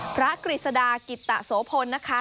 พระกริษดากิตตโศพลนะคะ